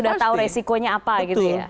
sudah tahu resikonya apa gitu ya